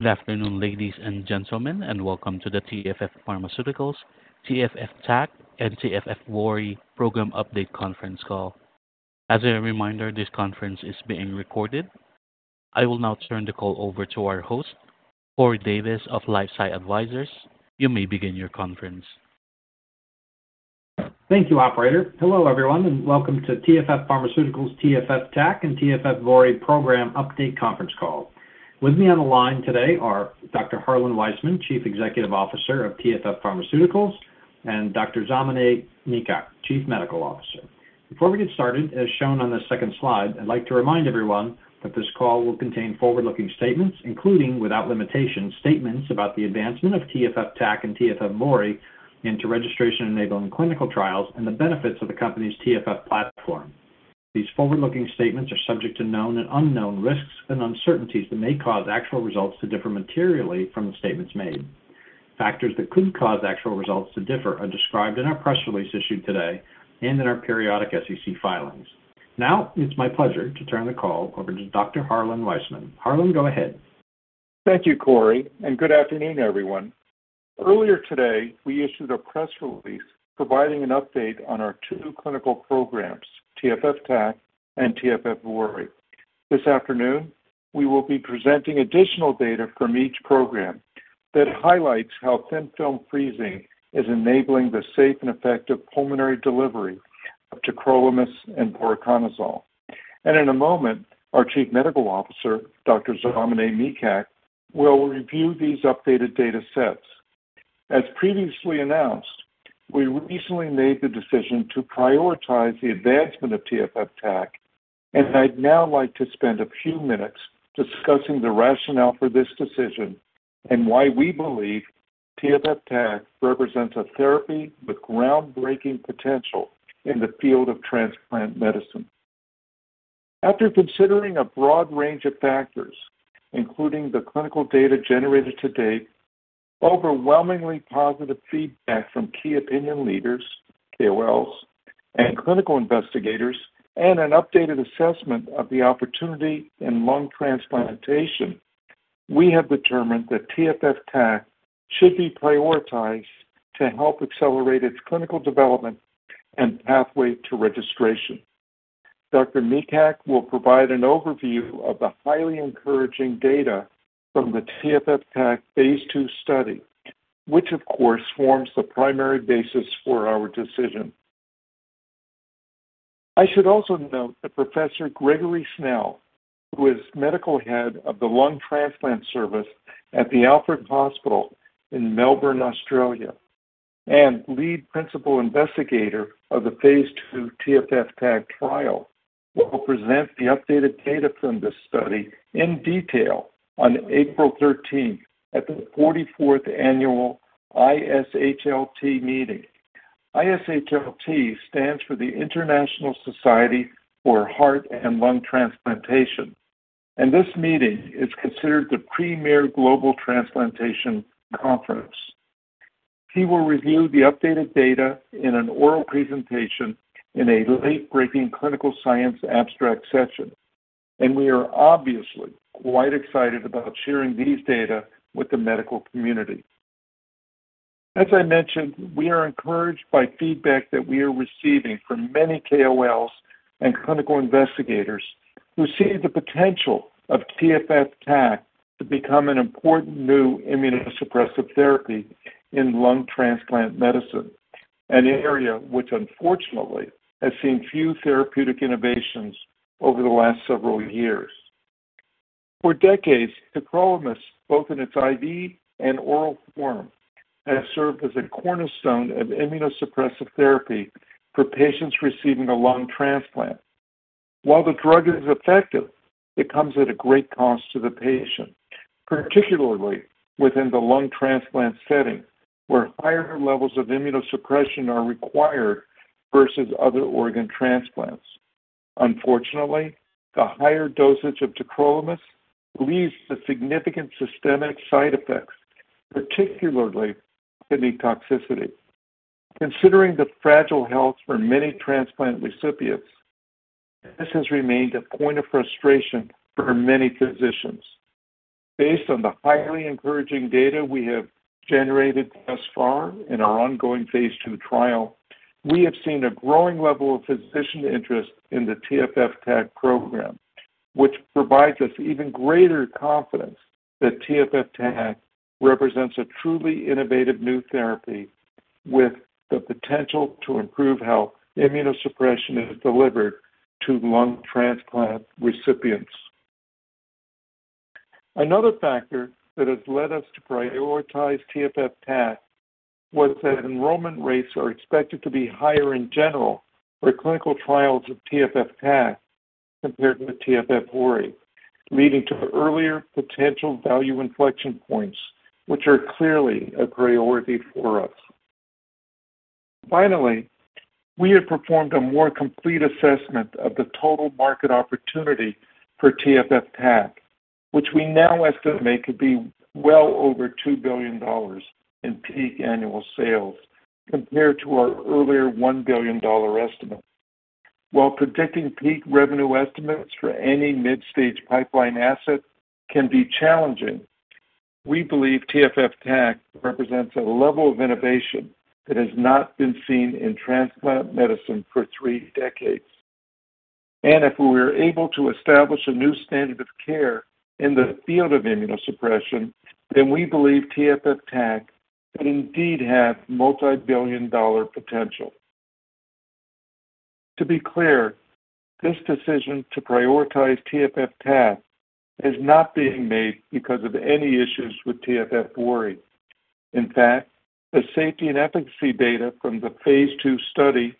Good afternoon, ladies and gentlemen, and welcome to the TFF Pharmaceuticals, TFF TAC, and TFF VORI program update conference call. As a reminder, this conference is being recorded. I will now turn the call over to our host, Corey Davis of LifeSci Advisors. You may begin your conference. Thank you, operator. Hello everyone, and welcome to TFF Pharmaceuticals' TFF TAC and TFF VORI program update conference call. With me on the line today are Dr. Harlan Weisman, Chief Executive Officer of TFF Pharmaceuticals, and Dr. Zamaneh Mikhak, Chief Medical Officer. Before we get started, as shown on the second slide, I'd like to remind everyone that this call will contain forward-looking statements, including, without limitation, statements about the advancement of TFF TAC and TFF VORI into registration-enabling clinical trials and the benefits of the company's TFF platform. These forward-looking statements are subject to known and unknown risks and uncertainties that may cause actual results to differ materially from the statements made. Factors that could cause actual results to differ are described in our press release issued today and in our periodic SEC filings. Now it's my pleasure to turn the call over to Dr. Harlan Weisman. Harlan, go ahead. Thank you, Corey, and good afternoon, everyone. Earlier today we issued a press release providing an update on our two clinical programs, TFF TAC and TFF VORI. This afternoon we will be presenting additional data from each program that highlights how Thin-Film Freezing is enabling the safe and effective pulmonary delivery of tacrolimus and voriconazole. In a moment our Chief Medical Officer, Dr. Zamaneh Mikhak, will review these updated data sets. As previously announced, we recently made the decision to prioritize the advancement of TFF TAC, and I'd now like to spend a few minutes discussing the rationale for this decision and why we believe TFF TAC represents a therapy with groundbreaking potential in the field of transplant medicine. After considering a broad range of factors, including the clinical data generated to date, overwhelmingly positive feedback from key opinion leaders, KOLs, and clinical investigators, and an updated assessment of the opportunity in lung transplantation, we have determined that TFF TAC should be prioritized to help accelerate its clinical development and pathway to registration. Dr. Mikhak will provide an overview of the highly encouraging data from the TFF TAC phase 2 study, which of course forms the primary basis for our decision. I should also note that Professor Gregory Snell, who is medical head of the lung transplant service at the Alfred Hospital in Melbourne, Australia, and lead principal investigator of the phase 2 TFF TAC trial, will present the updated data from this study in detail on April 13 at the 44th annual ISHLT meeting. ISHLT stands for the International Society for Heart and Lung Transplantation, and this meeting is considered the premier global transplantation conference. He will review the updated data in an oral presentation in a late-breaking clinical science abstract session, and we are obviously quite excited about sharing these data with the medical community. As I mentioned, we are encouraged by feedback that we are receiving from many KOLs and clinical investigators who see the potential of TFF TAC to become an important new immunosuppressive therapy in lung transplant medicine, an area which unfortunately has seen few therapeutic innovations over the last several years. For decades, tacrolimus, both in its IV and oral form, has served as a cornerstone of immunosuppressive therapy for patients receiving a lung transplant. While the drug is effective, it comes at a great cost to the patient, particularly within the lung transplant setting where higher levels of immunosuppression are required versus other organ transplants. Unfortunately, the higher dosage of tacrolimus leads to significant systemic side effects, particularly kidney toxicity. Considering the fragile health for many transplant recipients, this has remained a point of frustration for many physicians. Based on the highly encouraging data we have generated thus far in our ongoing Phase 2 trial, we have seen a growing level of physician interest in the TFF TAC program, which provides us even greater confidence that TFF TAC represents a truly innovative new therapy with the potential to improve how immunosuppression is delivered to lung transplant recipients. Another factor that has led us to prioritize TFF TAC was that enrollment rates are expected to be higher in general for clinical trials of TFF TAC compared to TFF VORI, leading to earlier potential value inflection points, which are clearly a priority for us. Finally, we have performed a more complete assessment of the total market opportunity for TFF TAC, which we now estimate could be well over $2 billion in peak annual sales compared to our earlier $1 billion estimate. While predicting peak revenue estimates for any mid-stage pipeline asset can be challenging, we believe TFF TAC represents a level of innovation that has not been seen in transplant medicine for three decades. And if we were able to establish a new standard of care in the field of immunosuppression, then we believe TFF TAC could indeed have multibillion-dollar potential. To be clear, this decision to prioritize TFF TAC is not being made because of any issues with TFF VORI. In fact, the safety and efficacy data from the Phase 2 study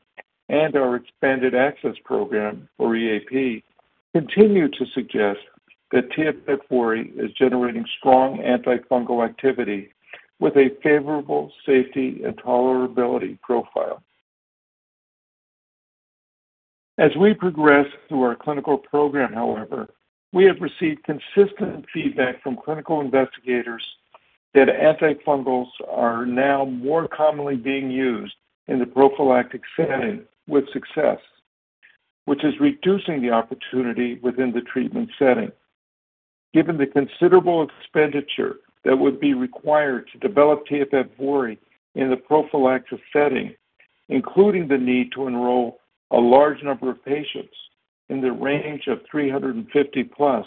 and our expanded access program, or EAP, continue to suggest that TFF VORI is generating strong antifungal activity with a favorable safety and tolerability profile. As we progress through our clinical program, however, we have received consistent feedback from clinical investigators that antifungals are now more commonly being used in the prophylactic setting with success, which is reducing the opportunity within the treatment setting. Given the considerable expenditure that would be required to develop TFF VORI in the prophylactic setting, including the need to enroll a large number of patients in the range of 350+,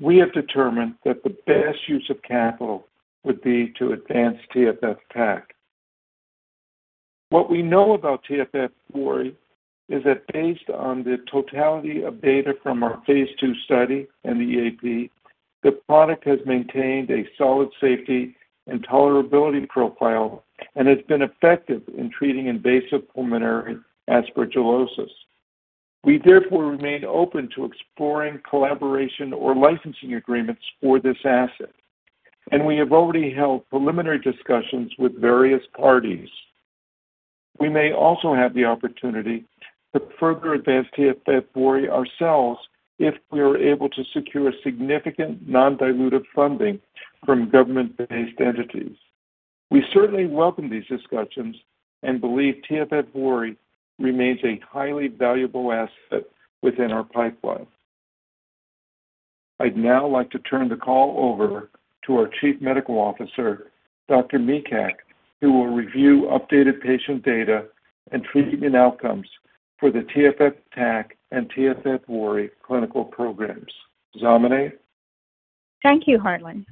we have determined that the best use of capital would be to advance TFF TAC. What we know about TFF VORI is that based on the totality of data from our Phase 2 study and the EAP, the product has maintained a solid safety and tolerability profile and has been effective in treating invasive pulmonary aspergillosis. We therefore remain open to exploring collaboration or licensing agreements for this asset, and we have already held preliminary discussions with various parties. We may also have the opportunity to further advance TFF VORI ourselves if we are able to secure significant non-dilutive funding from government-based entities. We certainly welcome these discussions and believe TFF VORI remains a highly valuable asset within our pipeline. I'd now like to turn the call over to our Chief Medical Officer, Dr. Mikhak, who will review updated patient data and treatment outcomes for the TFF TAC and TFF VORI clinical programs. Zamaneh? Thank you, Harlan.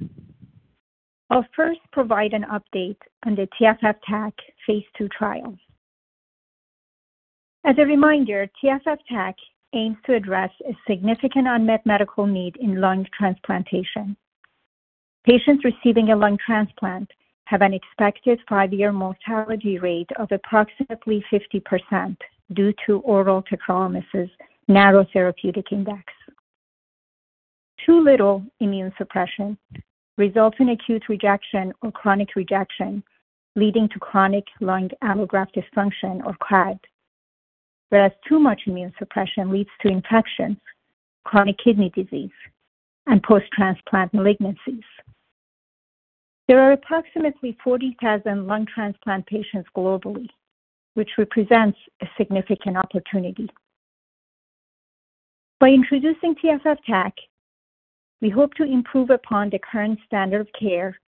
I'll first provide an update on the TFF TAC phase 2 trial. As a reminder, TFF TAC aims to address a significant unmet medical need in lung transplantation. Patients receiving a lung transplant have an expected five-year mortality rate of approximately 50% due to oral tacrolimus's narrow therapeutic index. Too little immune suppression results in acute rejection or chronic rejection, leading to chronic lung allograft dysfunction or CLAD, whereas too much immune suppression leads to infections, chronic kidney disease, and post-transplant malignancies. There are approximately 40,000 lung transplant patients globally, which represents a significant opportunity. By introducing TFF TAC, we hope to improve upon the current standard of care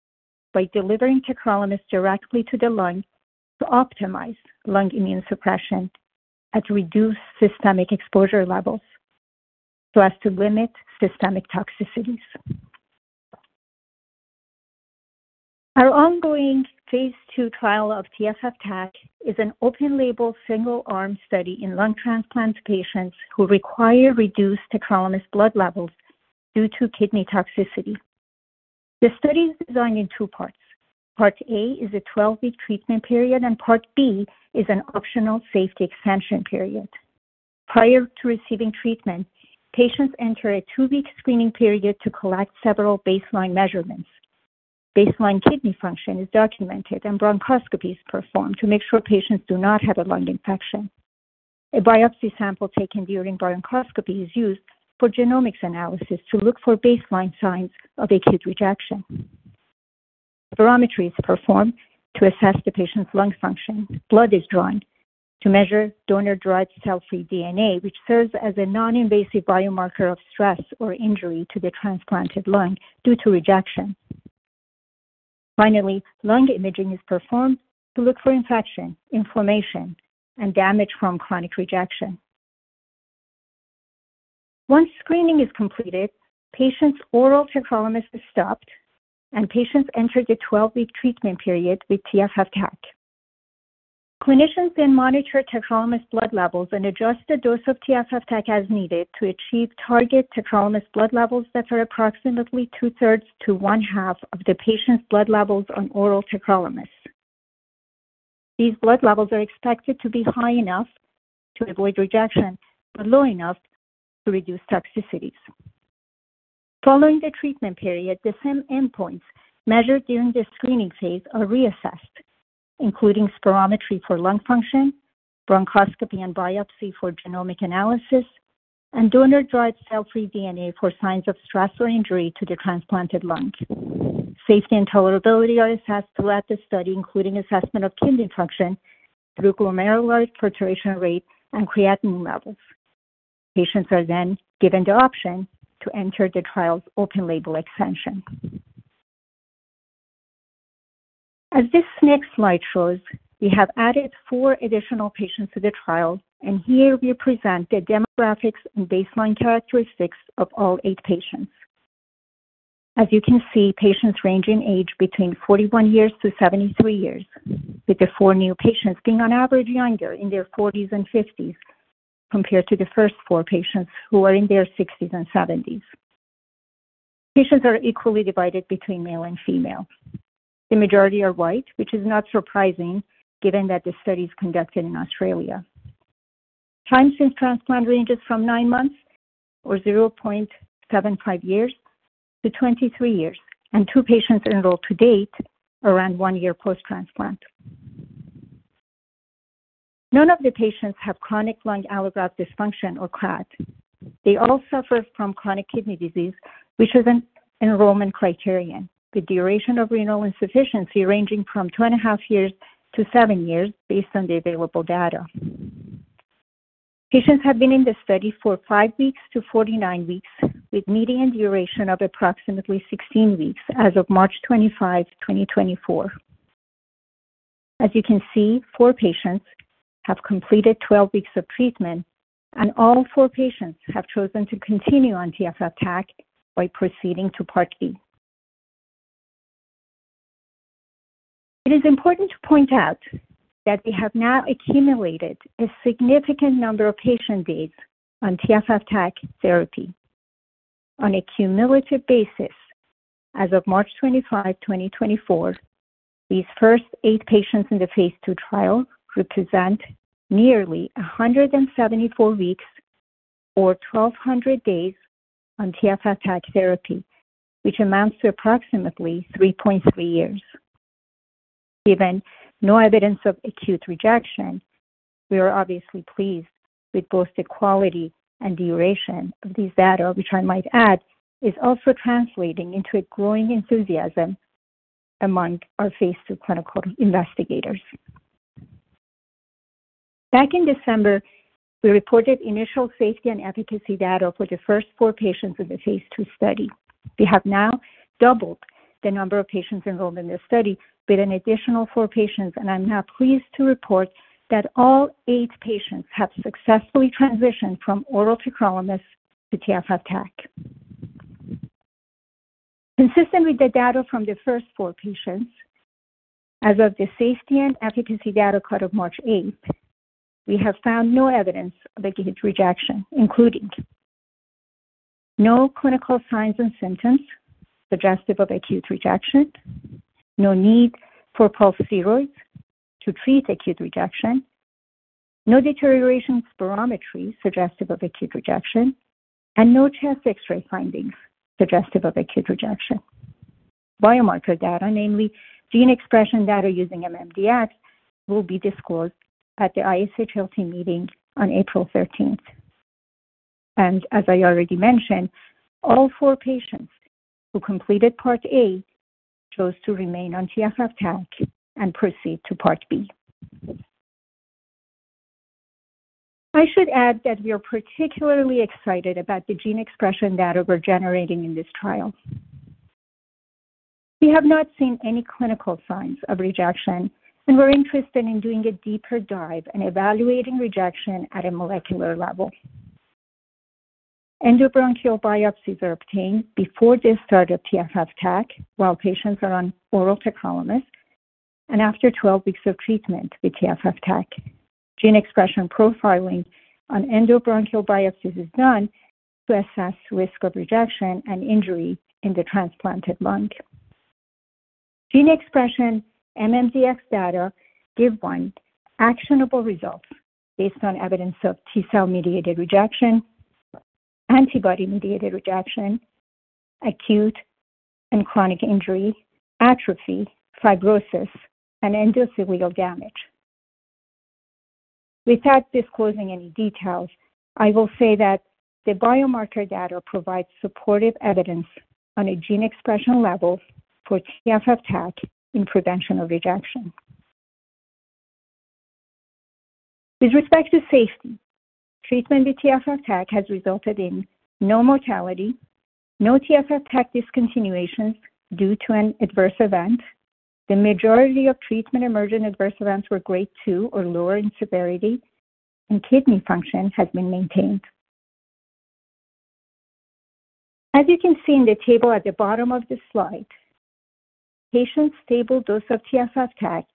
by delivering tacrolimus directly to the lung to optimize lung immune suppression at reduced systemic exposure levels so as to limit systemic toxicities. Our ongoing phase 2 trial of TFF TAC is an open-label single-arm study in lung transplant patients who require reduced tacrolimus blood levels due to kidney toxicity. The study is designed in two parts. Part A is a 12-week treatment period, and Part B is an optional safety expansion period. Prior to receiving treatment, patients enter a two-week screening period to collect several baseline measurements. Baseline kidney function is documented, and bronchoscopy is performed to make sure patients do not have a lung infection. A biopsy sample taken during bronchoscopy is used for genomics analysis to look for baseline signs of acute Rejection. Spirometry is performed to assess the patient's lung function. Blood is drawn to measure Donor-Derived Cell-Free DNA, which serves as a non-invasive biomarker of stress or injury to the transplanted lung due to rejection. Finally, lung imaging is performed to look for infection, inflammation, and damage from chronic rejection. Once screening is completed, patients' oral tacrolimus is stopped, and patients enter the 12-week treatment period with TFF TAC. Clinicians then monitor tacrolimus blood levels and adjust the dose of TFF TAC as needed to achieve target tacrolimus blood levels that are approximately two-thirds to one-half of the patient's blood levels on oral tacrolimus. These blood levels are expected to be high enough to avoid rejection but low enough to reduce toxicities. Following the treatment period, the same endpoints measured during the screening phase are reassessed, including spirometry for lung function, bronchoscopy and biopsy for genomic analysis, and donor-derived cell-free DNA for signs of stress or injury to the transplanted lung. Safety and tolerability are assessed throughout the study, including assessment of kidney function through glomerular filtration rate and creatinine levels. Patients are then given the option to enter the trial's open-label expansion. As this next slide shows, we have added 4 additional patients to the trial, and here we present the demographics and baseline characteristics of all 8 patients. As you can see, patients range in age between 41-73 years, with the 4 new patients being on average younger, in their 40s and 50s, compared to the first 4 patients who are in their 60s and 70s. Patients are equally divided between male and female. The majority are white, which is not surprising given that the study is conducted in Australia. Time since transplant ranges from 9 months, or 0.75 years, to 23 years, and 2 patients enrolled to date around 1 year post-transplant. None of the patients have chronic lung allograft dysfunction or CLAD. They all suffer from chronic kidney disease, which is an enrollment criterion, with duration of renal insufficiency ranging from 2.5 years to 7 years based on the available data. Patients have been in the study for 5 weeks to 49 weeks, with median duration of approximately 16 weeks as of March 25, 2024. As you can see, 4 patients have completed 12 weeks of treatment, and all 4 patients have chosen to continue on TFF TAC by proceeding to Part B. It is important to point out that we have now accumulated a significant number of patient days on TFF TAC therapy. On a cumulative basis, as of March 25, 2024, these first 8 patients in the phase 2 trial represent nearly 174 weeks, or 1,200 days, on TFF TAC therapy, which amounts to approximately 3.3 years. Given no evidence of acute rejection, we are obviously pleased with both the quality and duration of these data, which I might add is also translating into a growing enthusiasm among our Phase 2 clinical investigators. Back in December, we reported initial safety and efficacy data for the first four patients in the Phase 2 study. We have now doubled the number of patients enrolled in the study with an additional four patients, and I'm now pleased to report that all eight patients have successfully transitioned from oral tacrolimus to TFF TAC. Consistent with the data from the first four patients, as of the safety and efficacy data cut of March 8th, we have found no evidence of acute rejection, including: no clinical signs and symptoms suggestive of acute rejection, no need for pulse steroids to treat acute rejection, no deterioration spirometry suggestive of acute rejection, and no chest x-ray findings suggestive of acute rejection. Biomarker data, namely gene expression data using MMDx, will be disclosed at the ISHLT meeting on April 13th. And as I already mentioned, all four patients who completed Part A chose to remain on TFF TAC and proceed to Part B. I should add that we are particularly excited about the gene expression data we're generating in this trial. We have not seen any clinical signs of rejection, and we're interested in doing a deeper dive and evaluating rejection at a molecular level. Endobronchial biopsies are obtained before the start of TFF TAC while patients are on oral tacrolimus and after 12 weeks of treatment with TFF TAC. Gene expression profiling on endobronchial biopsies is done to assess risk of rejection and injury in the transplanted lung. Gene expression MMDx data give one actionable results based on evidence of T-cell mediated rejection, antibody mediated rejection, acute and chronic injury, atrophy, fibrosis, and endothelial damage. Without disclosing any details, I will say that the biomarker data provides supportive evidence on a gene expression level for TFF TAC in prevention of rejection. With respect to safety, treatment with TFF TAC has resulted in no mortality, no TFF TAC discontinuations due to an adverse event. The majority of treatment emergent adverse events were Grade 2 or lower in severity, and kidney function has been maintained. As you can see in the table at the bottom of the slide, patients' stable dose of TFF TAC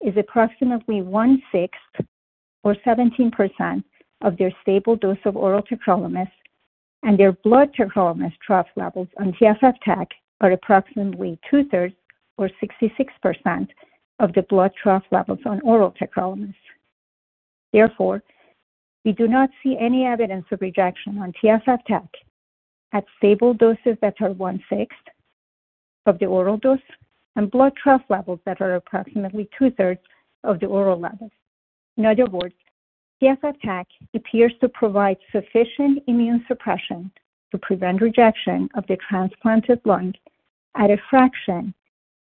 is approximately 1/6, or 17%, of their stable dose of oral tacrolimus, and their blood tacrolimus trough levels on TFF TAC are approximately 2/3, or 66%, of the blood trough levels on oral tacrolimus. Therefore, we do not see any evidence of rejection on TFF TAC at stable doses that are 1/6 of the oral dose and blood trough levels that are approximately 2/3 of the oral level. In other words, TFF TAC appears to provide sufficient immune suppression to prevent rejection of the transplanted lung at a fraction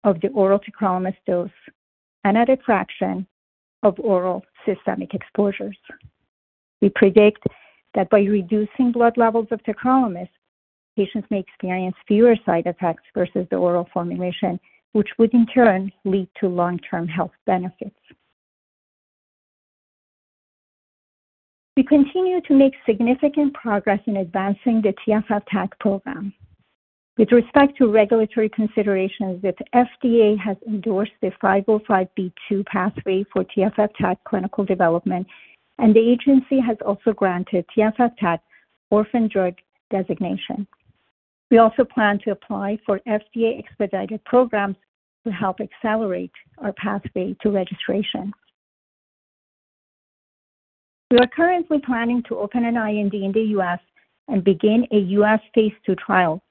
of the oral tacrolimus dose and at a fraction of oral systemic exposures. We predict that by reducing blood levels of tacrolimus, patients may experience fewer side effects versus the oral formulation, which would in turn lead to long-term health benefits. We continue to make significant progress in advancing the TFF TAC program. With respect to regulatory considerations, the FDA has endorsed the 505(b)(2) pathway for TFF TAC clinical development, and the agency has also granted TFF TAC orphan drug designation. We also plan to apply for FDA-expedited programs to help accelerate our pathway to registration. We are currently planning to open an IND in the U.S. and begin a U.S. phase 2 trial,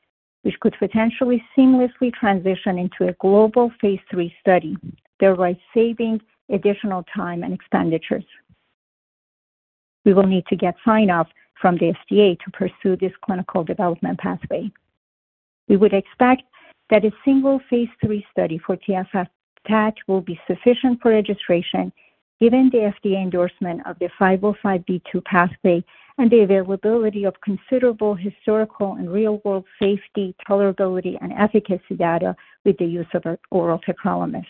which could potentially seamlessly transition into a global phase 3 study, thereby saving additional time and expenditures. We will need to get sign-off from the FDA to pursue this clinical development pathway. We would expect that a single phase 3 study for TFF TAC will be sufficient for registration, given the FDA endorsement of the 505(b)(2) pathway and the availability of considerable historical and real-world safety, tolerability, and efficacy data with the use of oral tacrolimus.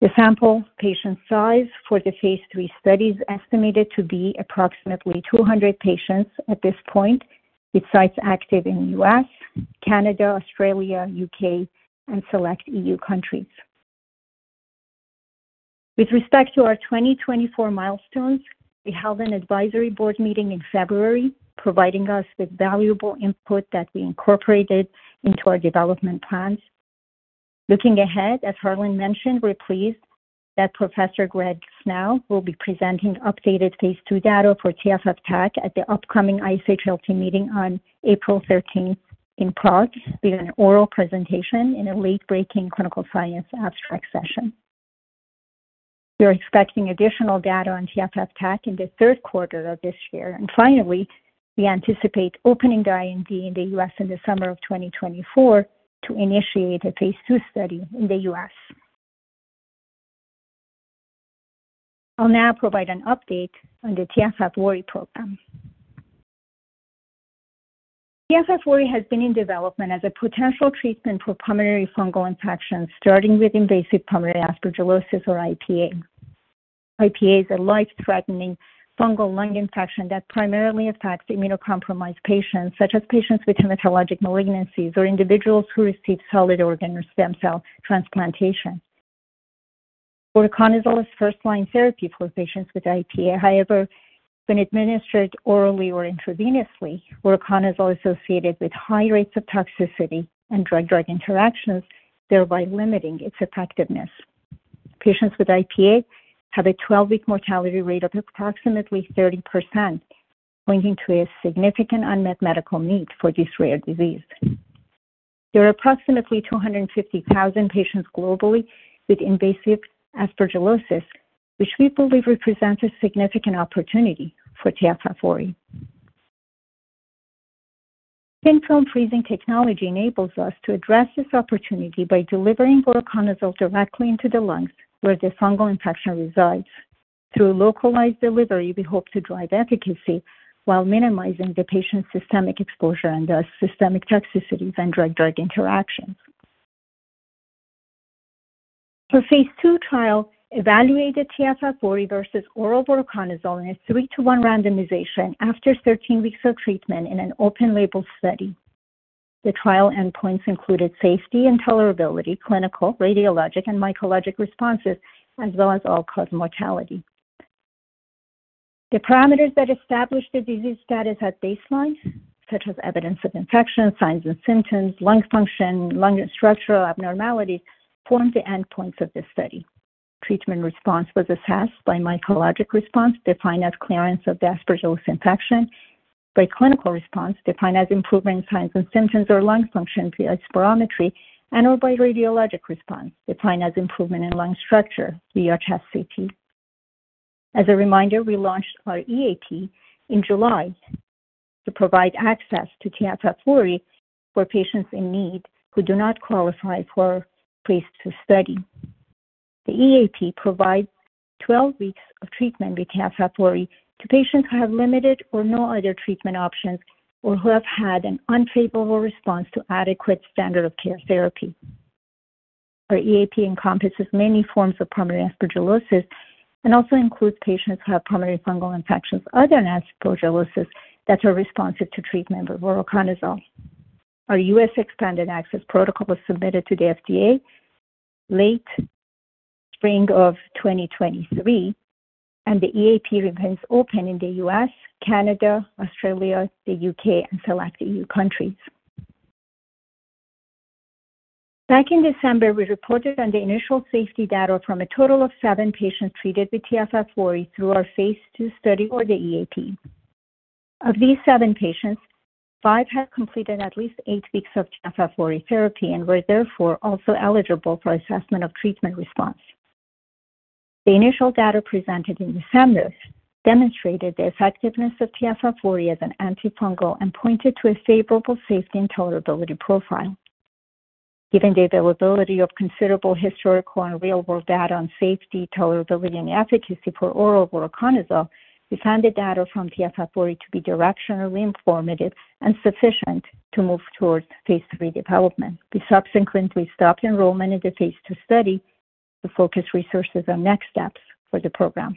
The sample patient size for the Phase 3 study is estimated to be approximately 200 patients at this point with sites active in the U.S., Canada, Australia, U.K., and select EU countries. With respect to our 2024 milestones, we held an advisory board meeting in February, providing us with valuable input that we incorporated into our development plans. Looking ahead, as Harlan mentioned, we're pleased that Professor Gregory Snell will be presenting updated Phase 2 data for TFF TAC at the upcoming ISHLT meeting on April 13th in Prague with an oral presentation in a late-breaking clinical science abstract session. We are expecting additional data on TFF TAC in the third quarter of this year. And finally, we anticipate opening the IND in the U.S. in the summer of 2024 to initiate a Phase 2 study in the U.S. I'll now provide an update on the TFF VORI program. TFF VORI has been in development as a potential treatment for pulmonary fungal infections, starting with invasive pulmonary aspergillosis, or IPA. IPA is a life-threatening fungal lung infection that primarily affects immunocompromised patients such as patients with hematologic malignancies or individuals who receive solid organ or stem cell transplantation. Voriconazole is first-line therapy for patients with IPA. However, when administered orally or intravenously, voriconazole is associated with high rates of toxicity and drug-drug interactions, thereby limiting its effectiveness. Patients with IPA have a 12-week mortality rate of approximately 30%, pointing to a significant unmet medical need for this rare disease. There are approximately 250,000 patients globally with invasive aspergillosis, which we believe represents a significant opportunity for TFF VORI. Thin-Film Freezing technology enables us to address this opportunity by delivering voriconazole directly into the lungs where the fungal infection resides. Through localized delivery, we hope to drive efficacy while minimizing the patient's systemic exposure and thus systemic toxicities and drug-drug interactions. The Phase 2 trial evaluated TFF VORI versus oral voriconazole in a 3:1 randomization after 13 weeks of treatment in an open-label study. The trial endpoints included safety and tolerability, clinical, radiologic, and mycologic responses, as well as all-cause mortality. The parameters that established the disease status at baseline, such as evidence of infection, signs and symptoms, lung function, and lung structural abnormalities, formed the endpoints of this study. Treatment response was assessed by mycologic response, defined as clearance of the aspergillosis infection. By clinical response, defined as improvement in signs and symptoms or lung function via spirometry. And/or by radiologic response, defined as improvement in lung structure via chest CT. As a reminder, we launched our EAP in July to provide access to TFF VORI for patients in need who do not qualify for phase 2 study. The EAP provides 12 weeks of treatment with TFF VORI to patients who have limited or no other treatment options or who have had an unfavorable response to adequate standard of care therapy. Our EAP encompasses many forms of pulmonary aspergillosis and also includes patients who have pulmonary fungal infections other than aspergillosis that are responsive to treatment with voriconazole. Our U.S. Expanded Access Protocol was submitted to the FDA late spring of 2023, and the EAP remains open in the U.S., Canada, Australia, the U.K., and select EU countries. Back in December, we reported on the initial safety data from a total of seven patients treated with TFF VORI through our phase 2 study or the EAP. Of these seven patients, five had completed at least eight weeks of TFF VORI therapy and were, therefore, also eligible for assessment of treatment response. The initial data presented in December demonstrated the effectiveness of TFF VORI as an antifungal and pointed to a favorable safety and tolerability profile. Given the availability of considerable historical and real-world data on safety, tolerability, and efficacy for oral voriconazole, we found the data from TFF VORI to be directionally informative and sufficient to move towards phase 3 development. We subsequently stopped enrollment in the phase 2 study to focus resources on next steps for the program.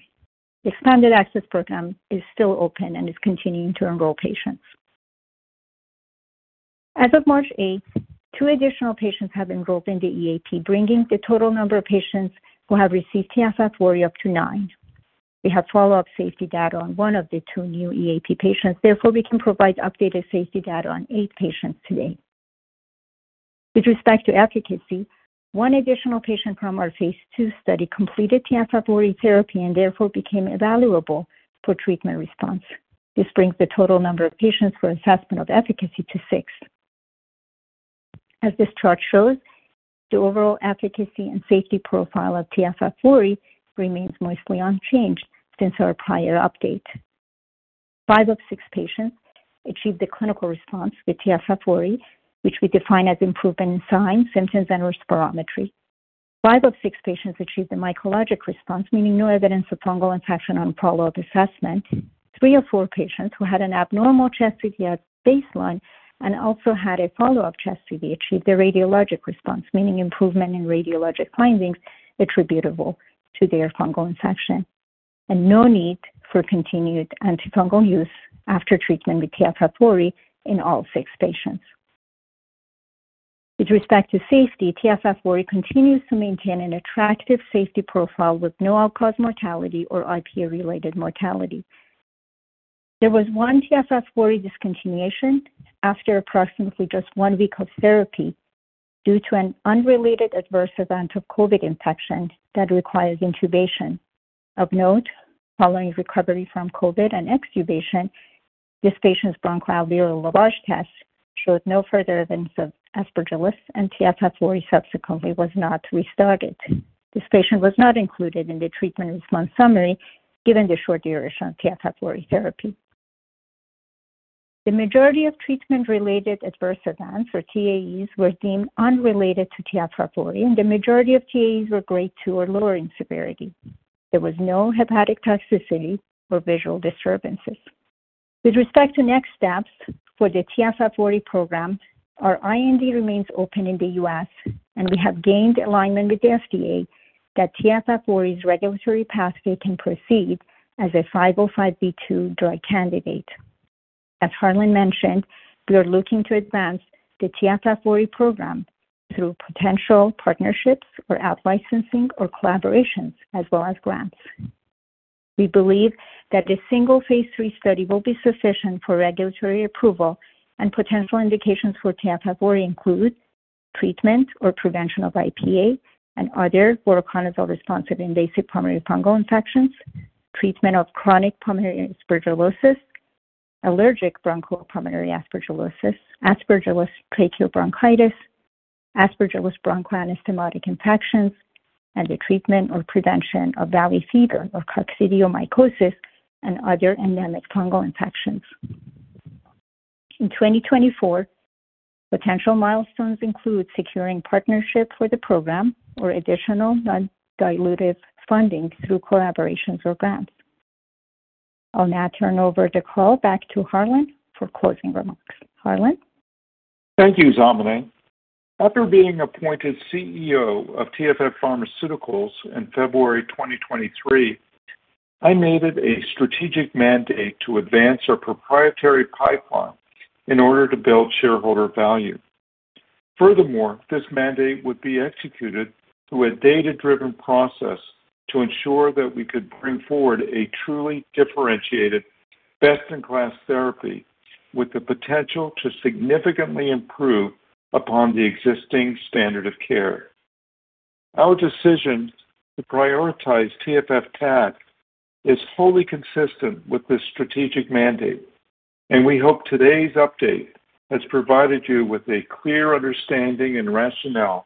The Expanded Access Program is still open and is continuing to enroll patients. As of March 8th, two additional patients have enrolled in the EAP, bringing the total number of patients who have received TFF VORI up to nine. We have follow-up safety data on one of the two new EAP patients. Therefore, we can provide updated safety data on eight patients today. With respect to efficacy, one additional patient from our phase 2 study completed TFF VORI therapy and, therefore, became evaluable for treatment response. This brings the total number of patients for assessment of efficacy to six. As this chart shows, the overall efficacy and safety profile of TFF VORI remains mostly unchanged since our prior update. Five of six patients achieved the clinical response with TFF VORI, which we define as improvement in signs, symptoms, and/or spirometry. Five of six patients achieved the mycologic response, meaning no evidence of fungal infection on follow-up assessment. Three of four patients who had an abnormal chest CT at baseline and also had a follow-up chest CT achieved the radiologic response, meaning improvement in radiologic findings attributable to their fungal infection and no need for continued antifungal use after treatment with TFF VORI in all six patients. With respect to safety, TFF VORI continues to maintain an attractive safety profile with no all-cause mortality or IPA-related mortality. There was one TFF VORI discontinuation after approximately just one week of therapy due to an unrelated adverse event of COVID infection that required intubation. Of note, following recovery from COVID and extubation, this patient's bronchoalveolar lavage test showed no further evidence of Aspergillus, and TFF VORI subsequently was not restarted. This patient was not included in the treatment response summary given the short duration of TFF VORI therapy. The majority of treatment-related adverse events, or TAEs, were deemed unrelated to TFF VORI, and the majority of TAEs were Grade 2 or lower in severity. There was no hepatic toxicity or visual disturbances. With respect to next steps for the TFF VORI program, our IND remains open in the U.S., and we have gained alignment with the FDA that TFF VORI's regulatory pathway can proceed as a 505(b)(2) drug candidate. As Harlan mentioned, we are looking to advance the TFF VORI program through potential partnerships or outlicensing or collaborations, as well as grants. We believe that a single phase 3 study will be sufficient for regulatory approval, and potential indications for TFF VORI include treatment or prevention of IPA and other voriconazole-responsive invasive pulmonary fungal infections, treatment of chronic pulmonary aspergillosis, allergic bronchopulmonary aspergillosis, aspergillus tracheobronchitis, aspergillus bronchoanastomotic infections, and the treatment or prevention of valley fever or coccidioidomycosis and other endemic fungal infections. In 2024, potential milestones include securing partnership for the program or additional nondilutive funding through collaborations or grants. I will now turn over the call back to Harlan for closing remarks. Harlan? Thank you, Zamaneh. After being appointed CEO of TFF Pharmaceuticals in February 2023, I made it a strategic mandate to advance our proprietary pipeline in order to build shareholder value. Furthermore, this mandate would be executed through a data-driven process to ensure that we could bring forward a truly differentiated, best-in-class therapy with the potential to significantly improve upon the existing standard of care. Our decision to prioritize TFF TAC is wholly consistent with this strategic mandate, and we hope today's update has provided you with a clear understanding and rationale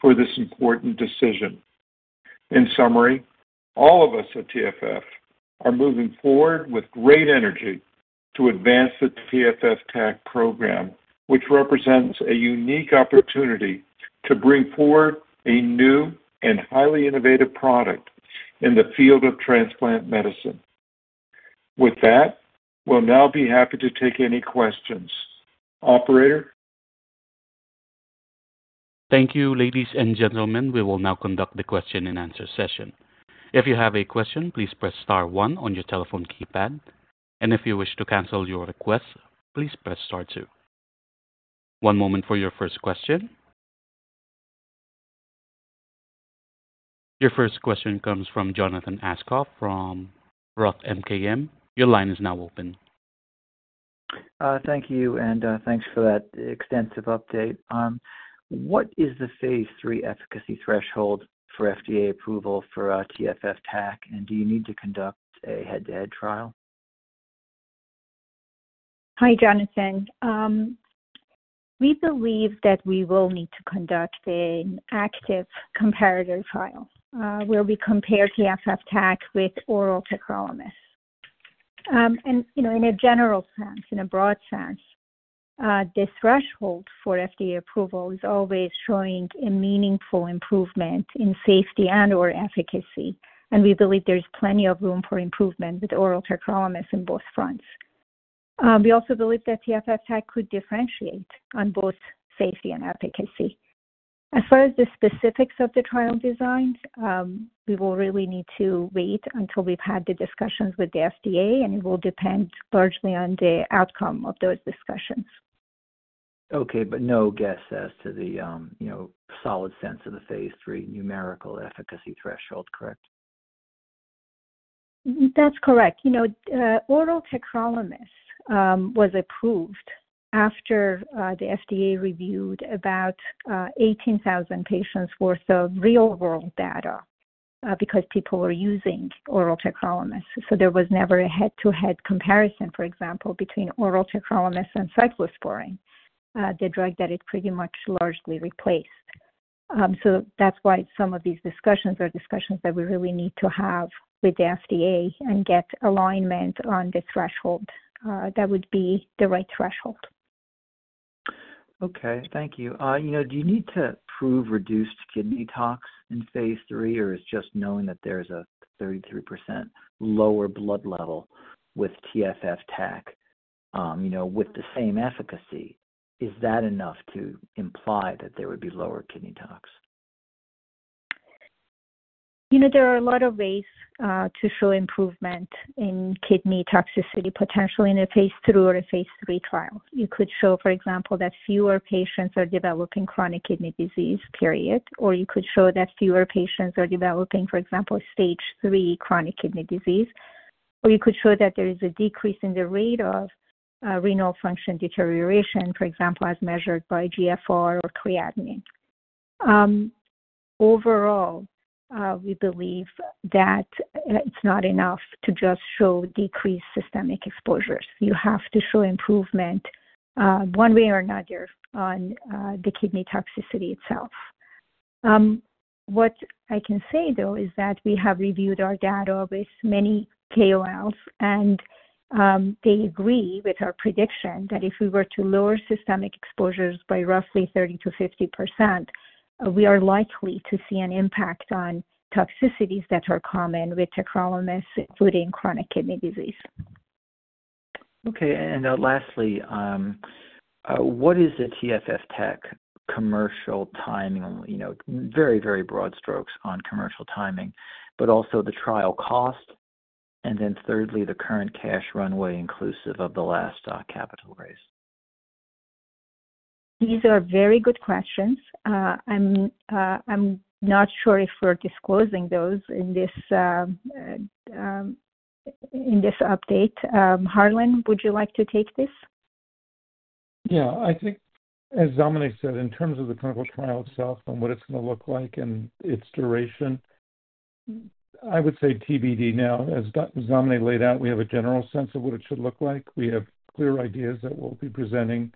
for this important decision. In summary, all of us at TFF are moving forward with great energy to advance the TFF TAC program, which represents a unique opportunity to bring forward a new and highly innovative product in the field of transplant medicine. With that, we'll now be happy to take any questions. Operator? Thank you, ladies and gentlemen. We will now conduct the question-and-answer session. If you have a question, please press star one on your telephone keypad, and if you wish to cancel your request, please press star two. One moment for your first question. Your first question comes from Jonathan Aschoff from Roth MKM. Your line is now open. Thank you, and thanks for that extensive update. What is the phase 3 efficacy threshold for FDA approval for TFF TAC, and do you need to conduct a head-to-head trial? Hi, Jonathan. We believe that we will need to conduct an active comparative trial where we compare TFF TAC with oral tacrolimus. And in a general sense, in a broad sense, this threshold for FDA approval is always showing a meaningful improvement in safety and/or efficacy, and we believe there's plenty of room for improvement with oral tacrolimus in both fronts. We also believe that TFF TAC could differentiate on both safety and efficacy. As far as the specifics of the trial design, we will really need to wait until we've had the discussions with the FDA, and it will depend largely on the outcome of those discussions. Okay, but no guess as to the solid sense of the Phase 3 numerical efficacy threshold, correct? That's correct. Oral tacrolimus was approved after the FDA reviewed about 18,000 patients' worth of real-world data because people were using oral tacrolimus. So there was never a head-to-head comparison, for example, between oral tacrolimus and cyclosporine, the drug that it pretty much largely replaced. So that's why some of these discussions are discussions that we really need to have with the FDA and get alignment on the threshold that would be the right threshold. Okay, thank you. Do you need to prove reduced kidney tox in phase 3, or is just knowing that there's a 33% lower blood level with TFF TAC with the same efficacy, is that enough to imply that there would be lower kidney tox? There are a lot of ways to show improvement in kidney toxicity, potentially in a phase 3 or a phase 3 trial. You could show, for example, that fewer patients are developing chronic kidney disease, or you could show that fewer patients are developing, for example, Stage 3 chronic kidney disease, or you could show that there is a decrease in the rate of renal function deterioration, for example, as measured by GFR or creatinine. Overall, we believe that it's not enough to just show decreased systemic exposures. You have to show improvement one way or another on the kidney toxicity itself. What I can say, though, is that we have reviewed our data with many KOLs, and they agree with our prediction that if we were to lower systemic exposures by roughly 30%-50%, we are likely to see an impact on toxicities that are common with tacrolimus, including chronic kidney disease. Okay, and lastly, what is the TFF TAC commercial timing? Very, very broad strokes on commercial timing, but also the trial cost, and then thirdly, the current cash runway inclusive of the last capital raise. These are very good questions. I'm not sure if we're disclosing those in this update. Harlan, would you like to take this? Yeah, I think, as Zamaneh said, in terms of the clinical trial itself and what it's going to look like and its duration, I would say TBD now. As Zamaneh laid out, we have a general sense of what it should look like. We have clear ideas that we'll be presenting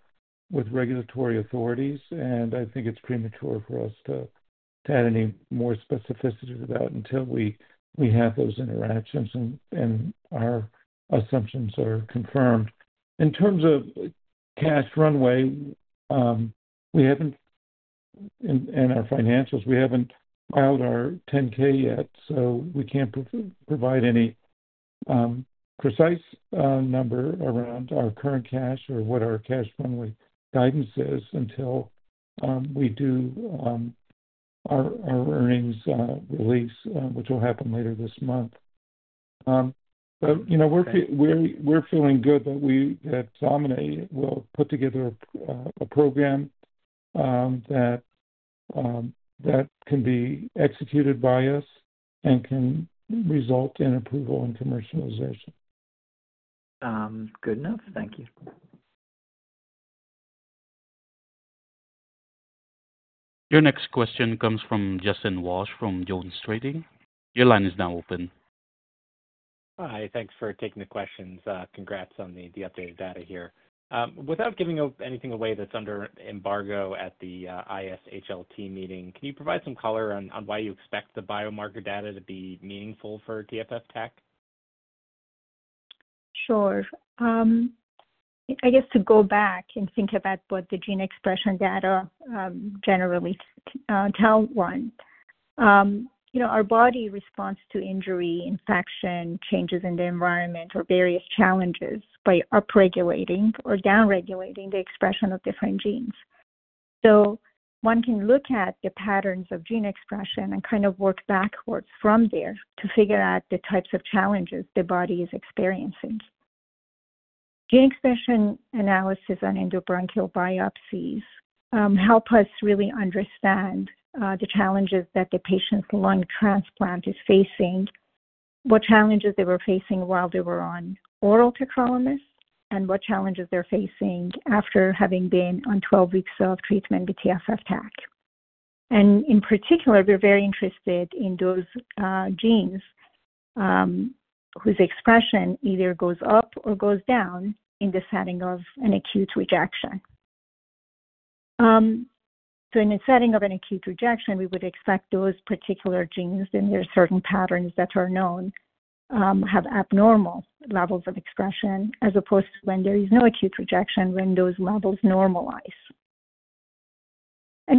with regulatory authorities, and I think it's premature for us to add any more specificities about it until we have those interactions and our assumptions are confirmed. In terms of cash runway, we haven't in our financials, we haven't filed our 10-K yet, so we can't provide any precise number around our current cash or what our cash runway guidance is until we do our earnings release, which will happen later this month. But we're feeling good that Zamaneh will put together a program that can be executed by us and can result in approval and commercialization. Good enough. Thank you. Your next question comes from Justin Walsh from JonesTrading. Your line is now open. Hi, thanks for taking the questions. Congrats on the updated data here. Without giving anything away that's under embargo at the ISHLT meeting, can you provide some color on why you expect the biomarker data to be meaningful for TFF TAC? Sure. I guess to go back and think about what the gene expression data generally tell one, our body responds to injury, infection, changes in the environment, or various challenges by upregulating or downregulating the expression of different genes. So one can look at the patterns of gene expression and kind of work backwards from there to figure out the types of challenges the body is experiencing. Gene expression analysis and endobronchial biopsies help us really understand the challenges that the patient's lung transplant is facing, what challenges they were facing while they were on oral tacrolimus, and what challenges they're facing after having been on 12 weeks of treatment with TFF TAC. In particular, we're very interested in those genes whose expression either goes up or goes down in the setting of an acute rejection. So in the setting of an acute rejection, we would expect those particular genes and their certain patterns that are known to have abnormal levels of expression as opposed to when there is no acute rejection, when those levels normalize.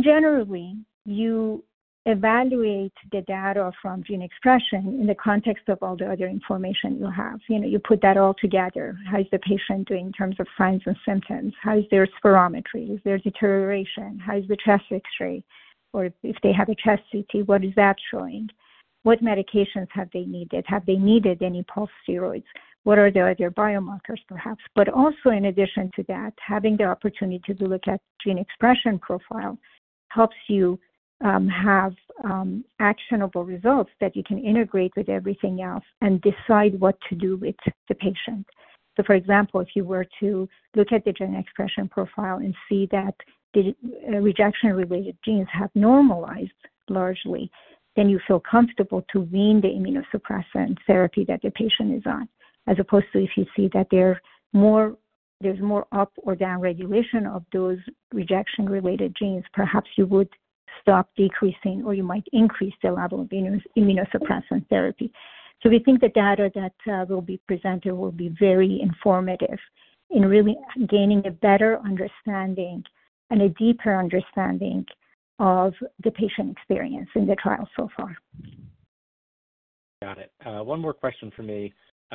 Generally, you evaluate the data from gene expression in the context of all the other information you have. You put that all together. How is the patient doing in terms of signs and symptoms? How is their spirometry? Is there deterioration? How is the chest X-ray? Or if they have a chest CT, what is that showing? What medications have they needed? Have they needed any pulse steroids? What are the other biomarkers, perhaps? But also, in addition to that, having the opportunity to look at gene expression profile helps you have actionable results that you can integrate with everything else and decide what to do with the patient. So, for example, if you were to look at the gene expression profile and see that the rejection-related genes have normalized largely, then you feel comfortable to wean the immunosuppressant therapy that the patient is on, as opposed to if you see that there's more up or down regulation of those rejection-related genes, perhaps you would stop decreasing or you might increase the level of immunosuppressant therapy. So we think the data that will be presented will be very informative in really gaining a better understanding and a deeper understanding of the patient experience in the trial so far. Got it. One more question for me.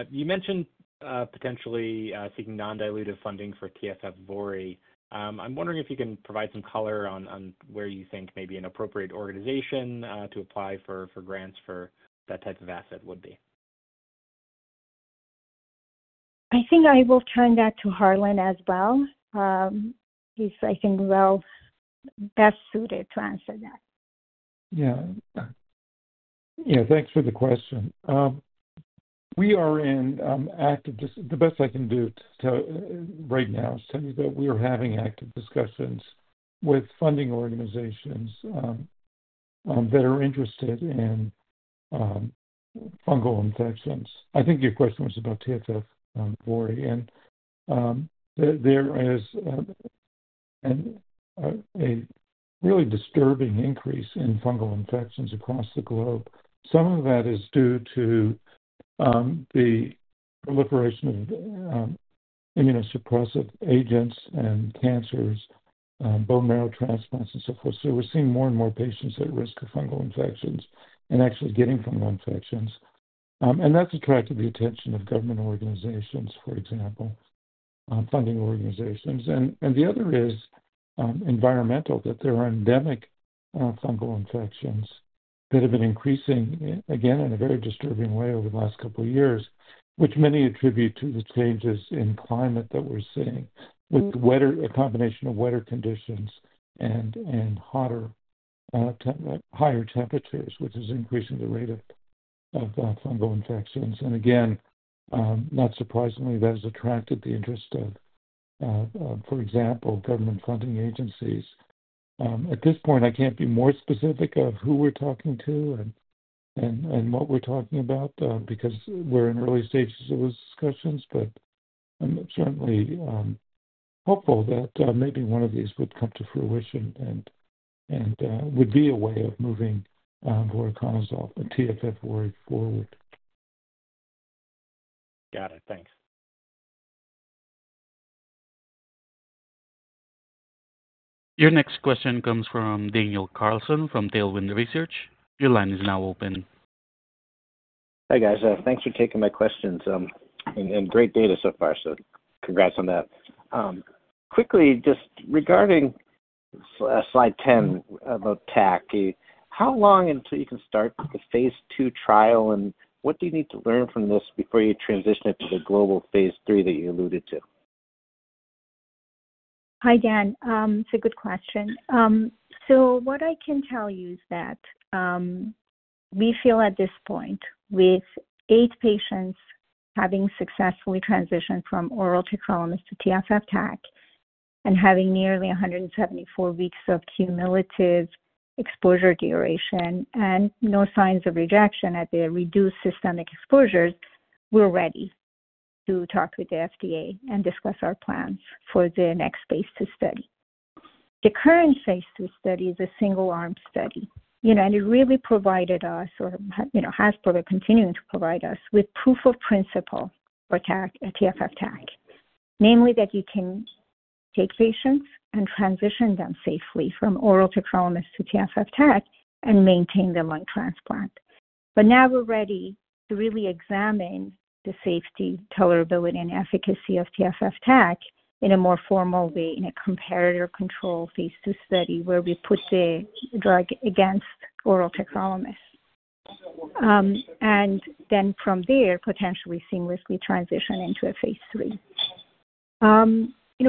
You mentioned potentially seeking nondilutive funding for TFF VORI. I'm wondering if you can provide some color on where you think maybe an appropriate organization to apply for grants for that type of asset would be. I think I will turn that to Harlan as well. He's, I think, well, best suited to answer that. Yeah. Yeah, thanks for the question. The best I can do right now is tell you that we are having active discussions with funding organizations that are interested in fungal infections. I think your question was about TFF VORI. And there is a really disturbing increase in fungal infections across the globe. Some of that is due to the proliferation of immunosuppressive agents and cancers, bone marrow transplants, and so forth. So we're seeing more and more patients at risk of fungal infections and actually getting fungal infections. And that's attracted the attention of government organizations, for example, funding organizations. And the other is environmental, that there are endemic fungal infections that have been increasing, again, in a very disturbing way over the last couple of years, which many attribute to the changes in climate that we're seeing with a combination of wetter conditions and higher temperatures, which is increasing the rate of fungal infections. And again, not surprisingly, that has attracted the interest of, for example, government funding agencies. At this point, I can't be more specific of who we're talking to and what we're talking about because we're in early stages of those discussions, but I'm certainly hopeful that maybe one of these would come to fruition and would be a way of moving TFF VORI forward. Got it. Thanks. Your next question comes from Daniel Carlson from Tailwind Research. Your line is now open. Hey, guys. Thanks for taking my questions. Great data so far, so congrats on that. Quickly, just regarding slide 10 about TAC, how long until you can start the phase 2 trial, and what do you need to learn from this before you transition it to the global phase 3 that you alluded to? Hi, Dan. It's a good question. So what I can tell you is that we feel, at this point, with 8 patients having successfully transitioned from oral Tacrolimus to TFF TAC and having nearly 174 weeks of cumulative exposure duration and no signs of rejection at the reduced systemic exposures, we're ready to talk with the FDA and discuss our plans for the next phase 2 study. The current phase 2 study is a single-arm study, and it really provided us or has continued to provide us with proof of principle for TFF TAC, namely that you can take patients and transition them safely from oral tacrolimus to TFF TAC and maintain the lung transplant. But now we're ready to really examine the safety, tolerability, and efficacy of TFF TAC in a more formal way, in a comparative control phase 2 study where we put the drug against oral tacrolimus, and then from there, potentially seamlessly transition into a phase 3.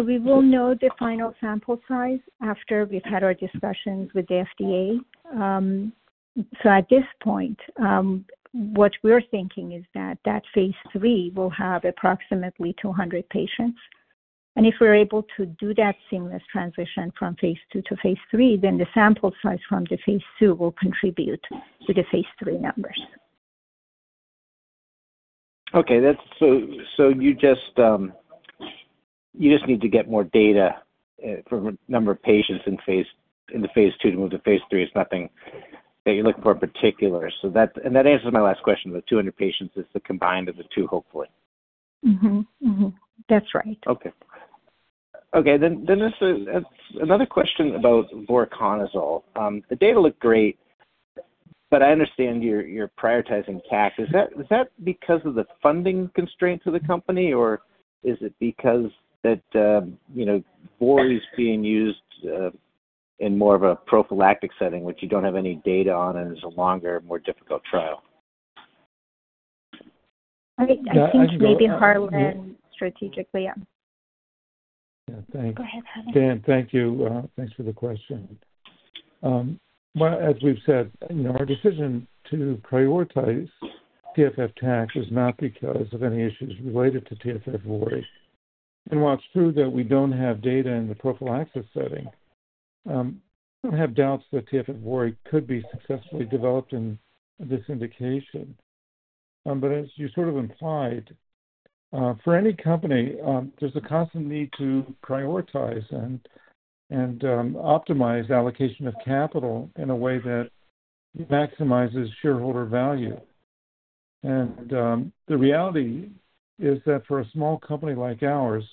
We will know the final sample size after we've had our discussions with the FDA. So at this point, what we're thinking is that that phase 3 will have approximately 200 patients. If we're able to do that seamless transition from Phase 2 to Phase 3, then the sample size from the Phase 2 will contribute to the Phase 3 numbers. Okay. You just need to get more data for a number of patients in the Phase 2 to move to Phase 3. It's nothing that you're looking for in particular. That answers my last question. The 200 patients is the combined of the two, hopefully. That's right. Okay. Okay. Another question about Voriconazole. The data look great, but I understand you're prioritizing TAC. Is that because of the funding constraints of the company, or is it because that VORI is being used in more of a prophylactic setting, which you don't have any data on and is a longer, more difficult trial? I think maybe Harlan. Strategically, yeah. Yeah. Thanks. Go ahead, Harlan. Dan, thank you. Thanks for the question. Well, as we've said, our decision to prioritize TFF TAC was not because of any issues related to TFF VORI. While it's true that we don't have data in the prophylaxis setting, I don't have doubts that TFF VORI could be successfully developed in this indication. As you sort of implied, for any company, there's a constant need to prioritize and optimize allocation of capital in a way that maximizes shareholder value. The reality is that for a small company like ours,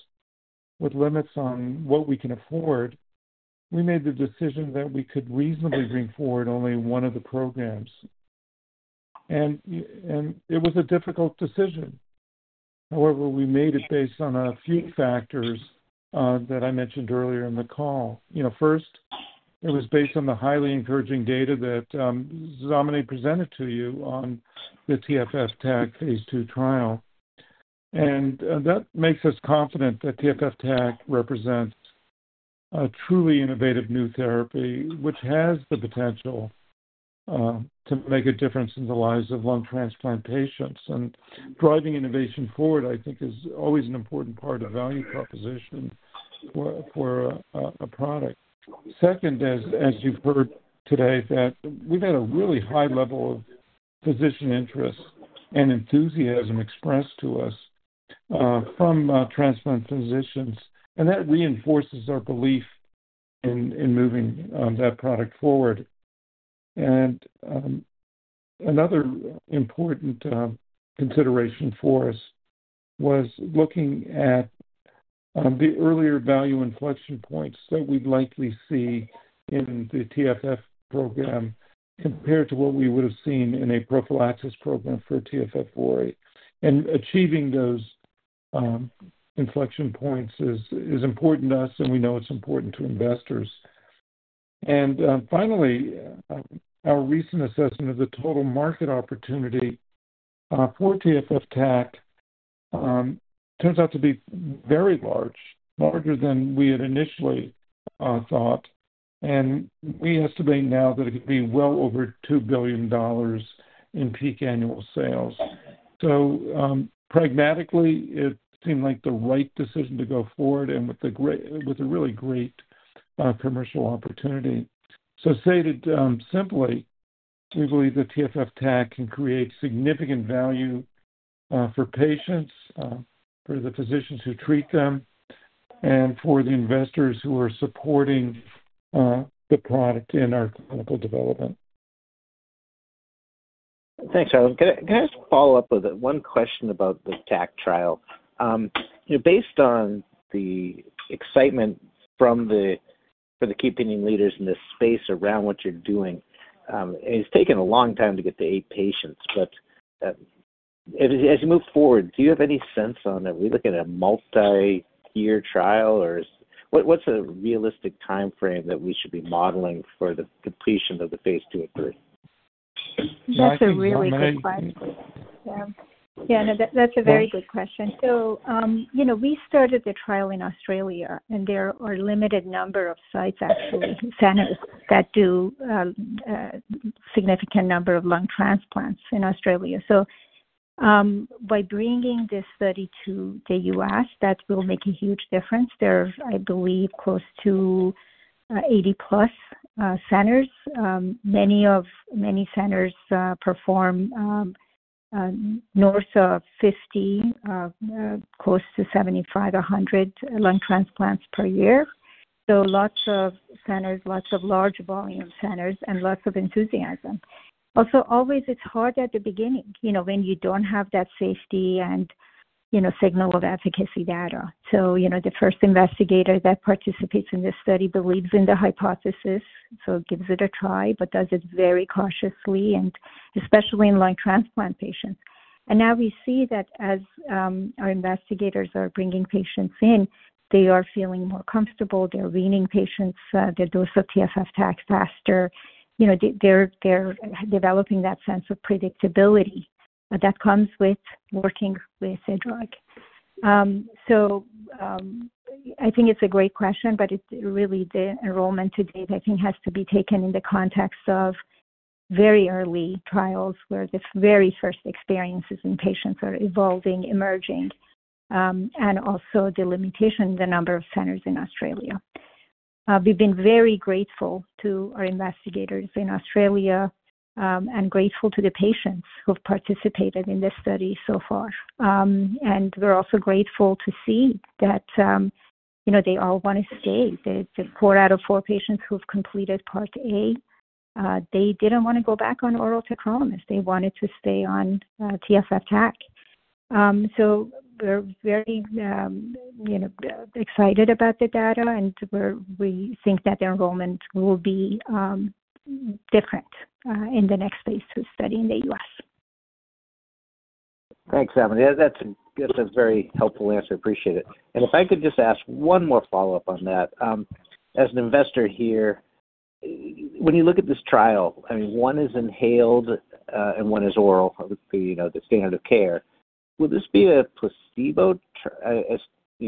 with limits on what we can afford, we made the decision that we could reasonably bring forward only one of the programs. It was a difficult decision. However, we made it based on a few factors that I mentioned earlier in the call. First, it was based on the highly encouraging data that Zamaneh presented to you on the TFF TAC phase 2 trial. That makes us confident that TFF TAC represents a truly innovative new therapy, which has the potential to make a difference in the lives of lung transplant patients. Driving innovation forward, I think, is always an important part of value proposition for a product. Second, as you've heard today, we've had a really high level of physician interest and enthusiasm expressed to us from transplant physicians, and that reinforces our belief in moving that product forward. Another important consideration for us was looking at the earlier value inflection points that we'd likely see in the TFF program compared to what we would have seen in a prophylaxis program for TFF VORI. Achieving those inflection points is important to us, and we know it's important to investors. Finally, our recent assessment of the total market opportunity for TFF TAC turns out to be very large, larger than we had initially thought. We estimate now that it could be well over $2 billion in peak annual sales. So pragmatically, it seemed like the right decision to go forward and with a really great commercial opportunity. So stated simply, we believe that TFF TAC can create significant value for patients, for the physicians who treat them, and for the investors who are supporting the product in our clinical development. Thanks, Harlan. Can I just follow up with one question about the TAC trial? Based on the excitement for the key opinion leaders in this space around what you're doing, it's taken a long time to get the eight patients. But as you move forward, do you have any sense on are we looking at a multi-year trial, or what's a realistic timeframe that we should be modeling for the completion of the phase 2 and 3? That's a really good question. Yeah. Yeah. No, that's a very good question. So we started the trial in Australia, and there are a limited number of sites, actually, centers that do a significant number of lung transplants in Australia. So by bringing this study to the U.S., that will make a huge difference. There are, I believe, close to 80+ centers. Many centers perform north of 50, close to 75, 100 lung transplants per year. So lots of centers, lots of large-volume centers, and lots of enthusiasm. Also, always, it's hard at the beginning when you don't have that safety and signal of efficacy data. The first investigator that participates in this study believes in the hypothesis, so gives it a try but does it very cautiously, and especially in lung transplant patients. Now we see that as our investigators are bringing patients in, they are feeling more comfortable. They're weaning patients' dose of TFF TAC faster. They're developing that sense of predictability that comes with working with a drug. I think it's a great question, but really, the enrollment to date, I think, has to be taken in the context of very early trials where the very first experiences in patients are evolving, emerging, and also the limitation in the number of centers in Australia. We've been very grateful to our investigators in Australia and grateful to the patients who have participated in this study so far. We're also grateful to see that they all want to stay. The 4 out of 4 patients who've completed Part A, they didn't want to go back on oral tacrolimus. They wanted to stay on TFF TAC. So we're very excited about the data, and we think that the enrollment will be different in the next phase 2 study in the U.S. Thanks, Zamaneh. That's a very helpful answer. I appreciate it. And if I could just ask one more follow-up on that. As an investor here, when you look at this trial, I mean, one is inhaled and one is oral, the standard of care. Will this be a placebo,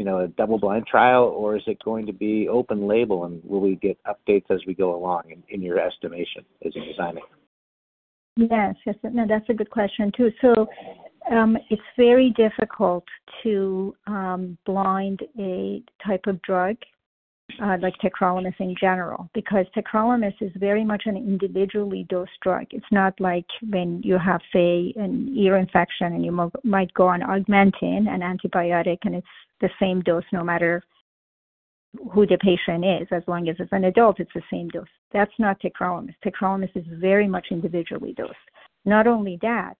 a double-blind trial, or is it going to be open-label, and will we get updates as we go along, in your estimation, as a designer? Yes. Yes. No, that's a good question too. It's very difficult to blind a type of drug like tacrolimus in general because tacrolimus is very much an individually dosed drug. It's not like when you have, say, an ear infection and you might go on Augmentin, an antibiotic, and it's the same dose no matter who the patient is. As long as it's an adult, it's the same dose. That's not tacrolimus. Tacrolimus is very much individually dosed. Not only that,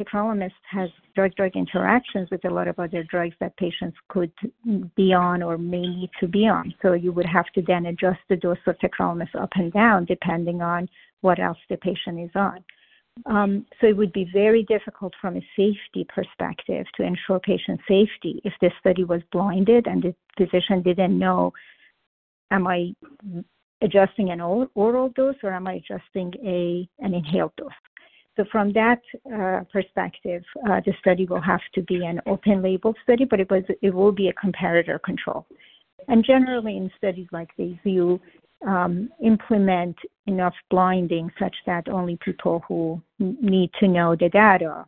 tacrolimus has drug-drug interactions with a lot of other drugs that patients could be on or may need to be on. You would have to then adjust the dose of tacrolimus up and down depending on what else the patient is on. So it would be very difficult from a safety perspective to ensure patient safety if this study was blinded and the physician didn't know, "Am I adjusting an oral dose, or am I adjusting an inhaled dose?" So from that perspective, the study will have to be an open-label study, but it will be a comparative control. And generally, in studies like these, you implement enough blinding such that only people who need to know the data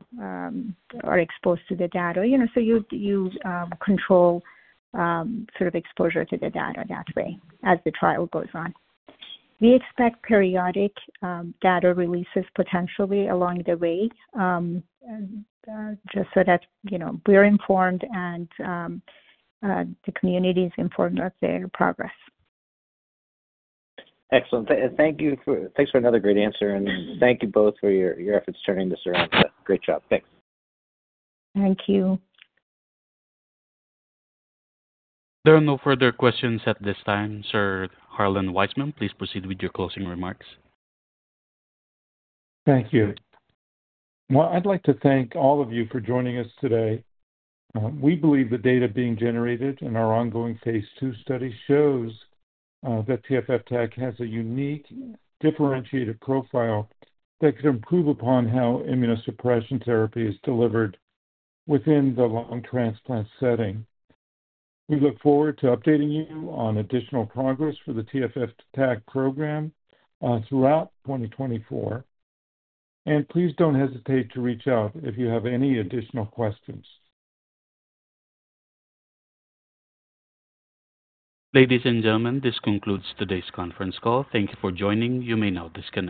are exposed to the data. So you control sort of exposure to the data that way as the trial goes on. We expect periodic data releases potentially along the way just so that we're informed and the community is informed of their progress. Excellent. Thanks for another great answer, and thank you both for your efforts turning this around. Great job. Thanks. Thank you. There are no further questions at this time. Sir Harlan Weisman, please proceed with your closing remarks. Thank you. Well, I'd like to thank all of you for joining us today. We believe the data being generated in our ongoing Phase 2 study shows that TFF TAC has a unique, differentiated profile that could improve upon how immunosuppression therapy is delivered within the lung transplant setting. We look forward to updating you on additional progress for the TFF TAC program throughout 2024. Please don't hesitate to reach out if you have any additional questions. Ladies and gentlemen, this concludes today's conference call. Thank you for joining. You may now disconnect.